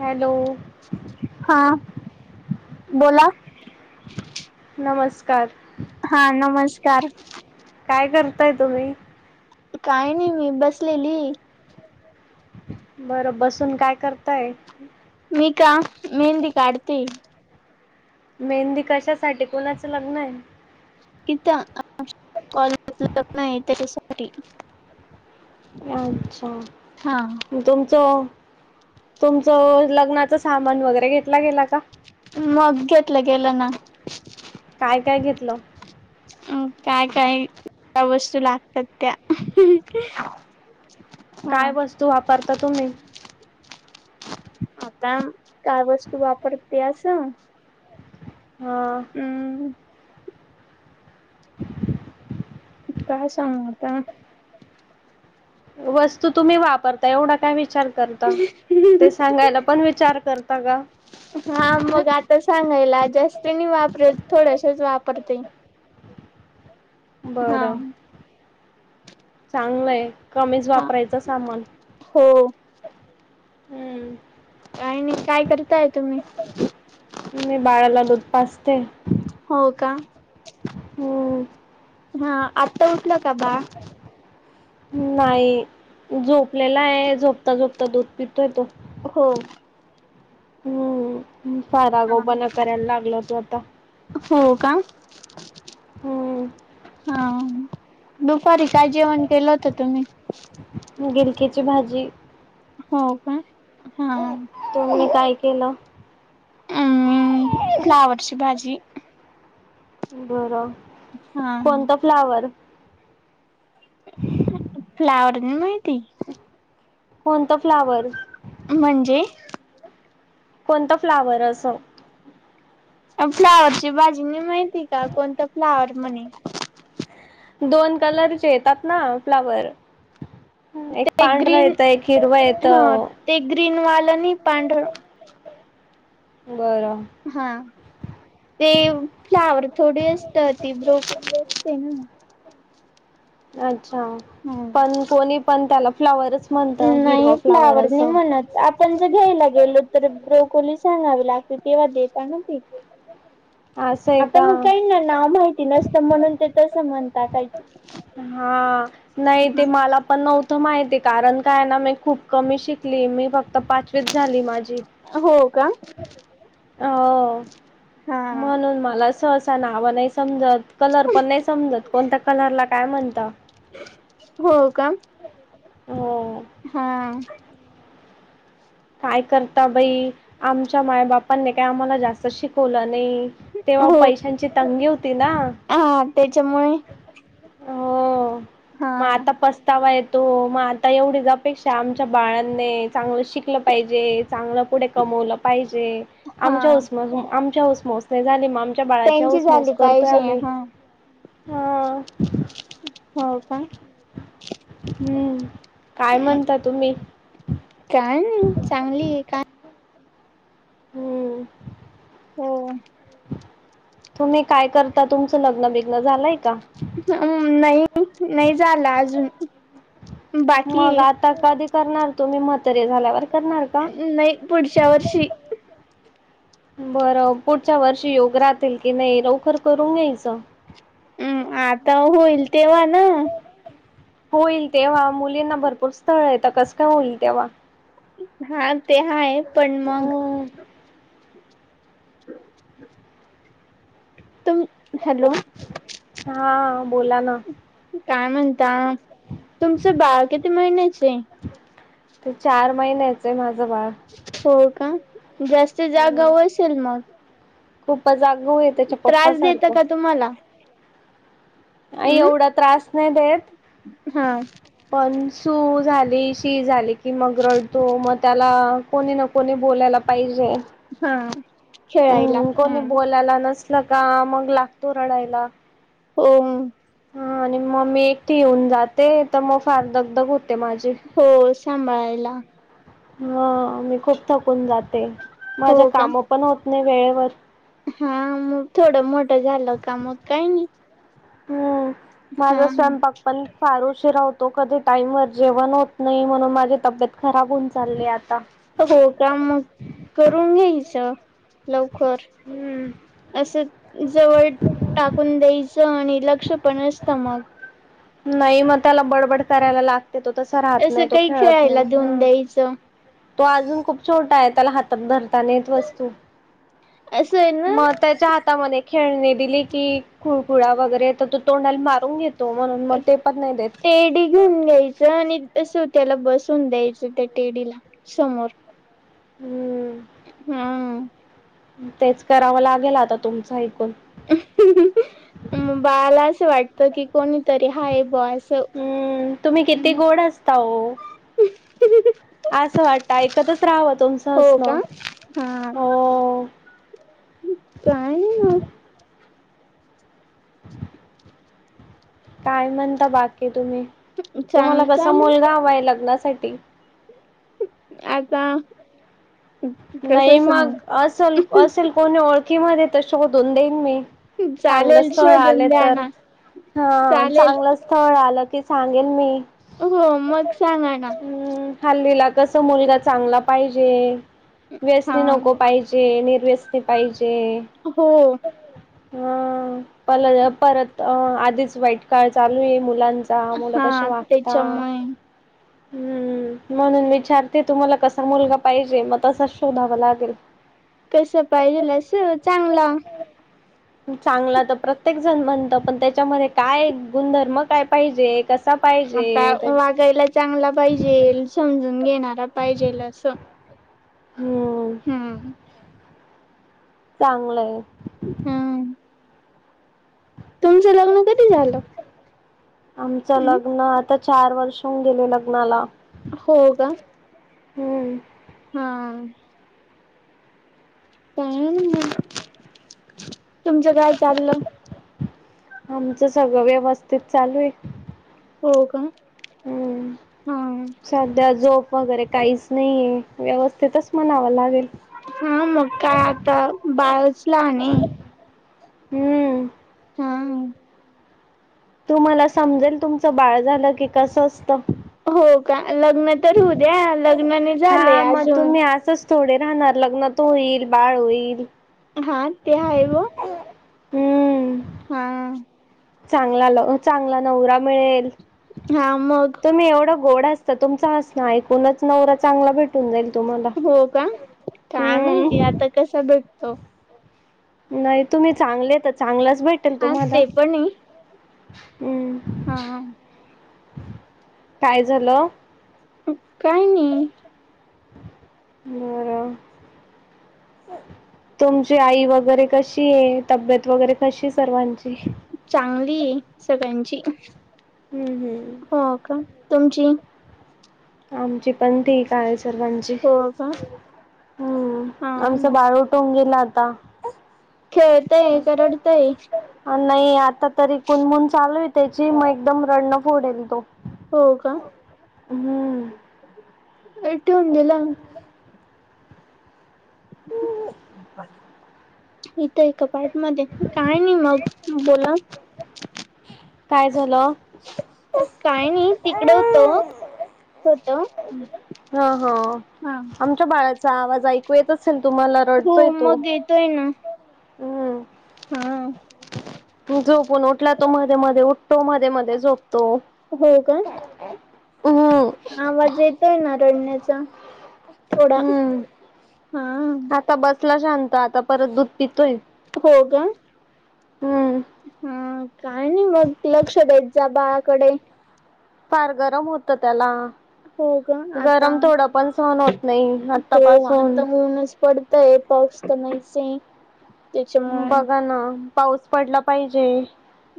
Hello. हां बोला. नमस्कार. हा नमस्कार. काय करताय तुम्ही? काय नाही मी बसलेली. बरं, बसून काय करताय? मी का मेहंदी काढती. मेहंदी कशासाठी कोणाचं लग्न आहे? [unintelligible] अच्छा, हा तुमचं तुमचं लग्नाचं सामान वगैरे घेतला गेला का? मग, घेतलं गेलं ना. काय काय घेतलं? अ काय-काय वस्तू लागतात त्या [unintelligible] [unintelligible] काय वस्तू वापरता तुम्ही? आता काय वस्तू वापरते आस हां. हम्म. [unintelligible] काय सांगु ता? वस्तू तुम्ही वापरता एवढा काय विचार करता. ते सांगायला पण विचार करता का? हा मग आता सांगायला जास्त नाही वापरत थोडशच वापरते. हा बरं. चांगलंय कमीच हा वापरायचं सामान. हो. हम्म. काय नाही. काय करताय तुम्ही? मी बाळाला दूध पाचते. हो का? हम्म हा आत्ता उठलं का बाळ? नाही झोपलेला आहे. झोपता झोपता दूध पितोय तो. हो. हम्म. फारा हा आगाव पना कराय लागला तो आता. हो का? हम्म हा. दुपारी काय जेवण केलं होतं तुम्ही? गिरकीची भाजी हो का? हा. तुम्ही काय केलं? अम फ्लावरची भाजी बरं हा कोणत फ्लावर? [inaudible] फ्लॉवर नाई माहिती? कोणत फ्लावर? म्हणजे? कोणत फ्लावर अस फ्लावरची भजी नाई माहिती का? कोणत फ्लावर म्हणे दोन कलरचे येतात ना फ्लावर? एक ते पांढरा ग्रीन येत, एक हिरवा येत. हा ते ग्रीन वालं नाही पांढरं बरं. हा ते फ्लावर थोडी असत ती ब्रोकली असते ना. अच्छा हा. पण कोणी पण त्याला फ्लवरच. नाही फ्लावर नाही म्हणत. आपण जे घ्यायला गेलो तर ब्रोकोली सांगावी लागते तेव्हा देताना ते असं आहे आता मग का काही ना ना माहिती नसतं म्हणून ते तस म्हणता. हा नाही ते मला पण नव्हतं माहिती कारण काय ना मी खूप कमी शिकली मी फक्त तर पाचवीच झाली माझी हो का? हो हा म्हणून मला सोस नाव नाही समजत कलर पण नाही समजत कोणत्या कलरला काय म्हणत. हो का? हो हा. काय करता बाई आमच्या माय बापांनी काय आम्हाला जास्त शिकवलं नाही. तेव्हा हो पैशांची तंगी होती ना हा त्याच्यामुळे हो हा मग आता पस थवा येतो मग आता एवढीच अपेक्षा आमच्या बाळांने चांगलं शिक पाहिजे चांगलं पुढे कमवलं पाहिजे आम हा आमच्या नाही झाली मग आमच्या बाळाच्या त्यांची हऊसमुस झाली करतोय पाहिजे आम्ही हा हा. हो का हम्म काय म्हणता तुम्ही काय नाही चांगली आहे काय? होम. हो तुम्ही काय करता तुमचं लग्न बिघ्न झालंय का? हम नाही नाही झाला अजून बाकी मग आता कधी करणार तुम्ही मतरे झाल्यावर करणार का? आहे नाही पुढच्या वर्षी बरं पुढच्या वर्षी योग राहतील की नाही लवकर करून घ्यायचं. हम् आता होईल तेव्हा ना होईल तेव्हा मुलींना भरपूर स्थळ येतं कसं काय होईल तेव्हा हा ते हाय पण मग हम्म तुम हॅलो, हा बोला ना काय म्हणता तुमचं बाळ किती महिन्याचे आहे. ते चार महिन्याचं आहे माझं बाळ हो का जास्त जागा वशल मग खूप जागोह आहे त्याच्या पप्प त्रास देत सारखं. का तुम्हाला हम् एवढा त्रास नाही देत. हा पण सू झाली शी झाली की मग रडतो मग त्याला कोणी न कोणी बोलायला पाहिजे. हा खेळयला हम् लाला नस न का मग लागतो रडायला. होओ हा आणि मग मी एकटे येऊन जाते तर मग फार दग दग होते माझी हो सांभाळायला. हा. मी खूप थकून जाते. माझे हो का काम पण होत नाही वेळेवर. हा. मग थोडं मोठं झालं का? मग काय नाही. हम्म. माझा हा स्वयंपाक पण- फार उशीरा होतो. कधी टाईम वर जेवण होत नाही म्हणून माझी तब्येत खराब होऊन चालली आता. होय का? मग करून घ्यायच. लवकर. हम्म असं जवळ- टाकून द्यायचं आणि लक्ष पण असतं मग. नाही मग त्याला बडबड करायला लागते. तो तसा राहत नाही तो खेळत नाही. ह- असं - तो अजून खूप छोटा आहे. त्याला हातात धरता नाही येत वस्तू. असं आहे ना मग- त्याच्या हातामध्ये खेळणी दिली कि, खुळखुळा वगैरे तर तो तोंडाला मारून घेतो. म्हणून मग ते पण नाही देत. तेडी. घेऊन घ्यायचं आणि असं त्याला बसून द्यायचं त्या टेडीला समोर हम्म. अं. तेच करावं लागेल आता तुमचं ऐकून. म बाळाला असं वाटत की कोणीतरी हाय बुवा असं. हम्म. तुम्ही किती गोड हसता हो! असं वाटत ऐकतच राहावं तुमचं हो हसणं. का हा हो. काय? नाही मग ह काय म्हणता बाकी तुम्ही? तुम्हाला चांगलं कसा चालेल मुलगा हवाय लग्नासाठी? आता- कसं नाही मग, सांगू असल असेल कोणी ओळखी मधे तर शोधून देईन मी. चांगलं चालेल स्थळ आल शोधून द्या तर, ना हा. चालेल चांगलं- स्थळ आलं की सांगेन मी. हो. मग सांगा ना. हम्म. हल्लीला कसं मुलगा चांगला पाहिजे. हा व्यसनी नको पाहिजे. निर्व्यसनी पाहिजे. हो. ह. प परत आधीच वाईट काळ चालू आहे मुलांचा. का मुलं हा कशी वागता? त्याच्यामुळे हम्म. म्हणून विचारते तुम्हाला कसा मुलगा पाहिजे? - मग तसा शोधावा लागेल. कस पाहिजेल असं? चांगला. चांगला तर प्रत्येक जण म्हणत. पण त्याच्यामध्ये काय, गुणधर्म काय पाहिजे? कसा आता पाहिजे ते वागायला चांगला पाहिजे समजून घेणारा पाहिजेल असं. हम्म हम्म. चांगलंय. हम्म. तुमचं लग्न कधी झालं? आमचं हम्म लग्न, आता चार वर्ष होउन गेले लग्नाला. हो का? हम्म हा. [unintelligible] तुमचं काय चाललं? आमचं सगळं व्यवस्थित चालू आहे. हो का? हम्म हा. सध्या झोप वगैरे काहीच नाहीये. व्यवस्थितच म्हणावं लागेल. हा. मग काय आता? बाळच लहानये. हम्म हा हम तू मला समजेल तुमचं बाळ झालं की कसं असतं हो का लग्न तर होऊ द्या लग्नाने झालंय हा मग अजून तुम्ही असच थोडे राहणार लग्न तो होईल बाळ होईल हा ते हाय ओ हम्म हा चांगला चांगला नवरा मिळेल हा मग तुम्ही एवढं गोड असतं तुमच असं ऐकूनच नवरा चांगला भेटून जाईल तुम्हाला हो का काय माहिती हम्म आता कसा भेटतो नाही तुम्ही चांगले तर चांगलंच भेटेल हा तुम्हाला ते हम् हा हा काय झालं? काय नाही बरं तुमची आई वगैरे कशी आहे तब्येत वगैरे कशी आहे सर्वांची चांगली सगळ्यांची हम्म हम् हो का तुमची आमची पण ठीक आहे सर्वांची हो का हा हम्म आमचं बाळू उटेल आता खेळताय का रडताय नाही आता तरी कुनमून चालू आहे त्याची मग एकदम रडनं फोडेल तो हो का हम् [unintelligible] ए टेऊन गला इथं एका पार्ट मध्ये काय नाही मग बोला काय झालं काय नाही तिकडं होतो होतो हा हा आमच्या बाळाचा आवाज ऐकू येत असेल तुम्हाला हो रडतोय तो. मग येतोय ना हम्म हा झोपून उठला तो मध्ये मध्ये उठतो मध्ये मध्ये झोपतो हो का ह [unintelligible] आवाज येतोय ना रडण्याचा थोडा हम्म. हा आता बसला शांत आता परत दूध पितोय हो का हम्म हा काय नाही मग लक्ष द्यायचं बाळाकडे फार गरम होत त्याला हो का आता गरम थोड पण सहन होत नाही हो आतापासून आता ऊनच पडतय पाऊ तर नाहीच ये बघा ना पाऊस पडला पाहिजे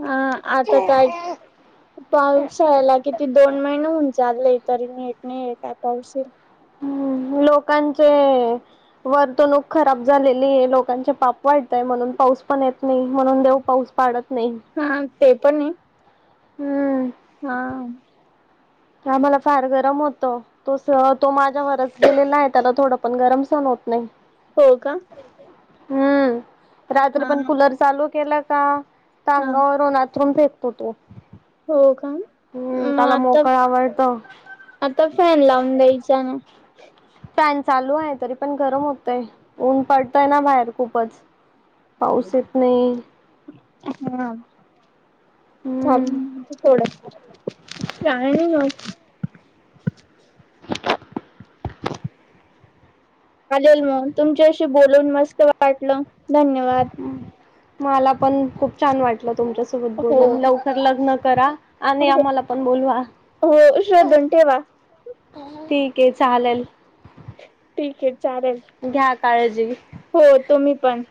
हा आता काय पावसाळ्याला किती दोन महिने होऊन चालले तरी नीट नाहीये काय पावसील हम्म लोकांचे वर्तणूक खराब झालेली आहे लोकांचे पाप वाटतंय म्हणून पाऊस पण येत नाही म्हणून देऊ पाऊस पाडत नई हा ते पण आहे हम्म हा आम्हाला फार गरम होत तो तो माझ्यावरच गेलेला आहे त्याला थोडं पण गरम सहन होत नाही. हो, का. हम्म. रात्री हा पण कुलर चालू केला का हा अंगावरून अथरून फेकतो तो. हो, का. हम्म. मग त्याला आता मोकळ आवडतं. आता फॅन लावून द्यायचा ना. फॅन चालू आहे. तरी पण गरम होतय. ऊन पडतय ना, बाहेर खूपच. पाऊस येत नाही. हा. हम्म [unintelligible] थोडस. काय नाही मग. [unintelligible] चालेल मग. तुमच्याशी बोलून मस्त वाटलं. धन्यवाद! मला पण खूप छान वाटलं. तुमच्या सोबत हो बोलून. लवकर लग्न करा. आणि हो आम्हाला पण बोलवा. हो. शोधून ठेवा. ठीकय, चालेल. ठीकय चालेल. घ्या काळजी. हो. तूम्ही पण.